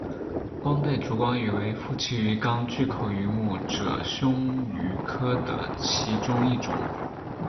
光带烛光鱼为辐鳍鱼纲巨口鱼目褶胸鱼科的其中一种。